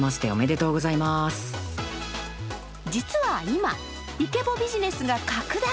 実は今、イケボビジネスが拡大。